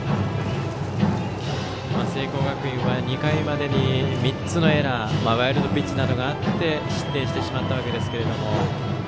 聖光学院は２回までに３つのエラーワイルドピッチなどがあって失点してしまったわけですが。